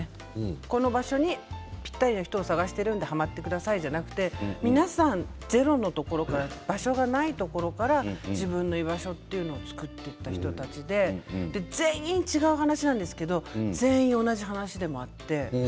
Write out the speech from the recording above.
この場所にぴったりな人を探してるんではまってくださいではなく皆さん、ゼロのところから場所がないところから自分の居場所というのを作っていった人たちで全員、違う話なんですけど全員、同じ話でもあって。